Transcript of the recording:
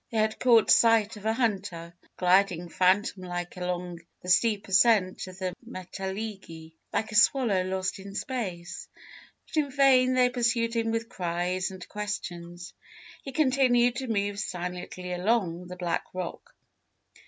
They had caught sight of a hunter, gliding phantom like along the steep ascent of the Mittelegi, like a swallow lost in space. But in vain they pursued him with cries and questions; he continued to move silently along the black rock.